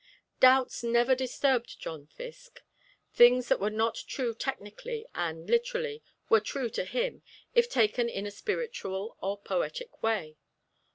Doubts never disturbed John Fiske. Things that were not true technically and literally were true to him if taken in a spiritual or poetic way.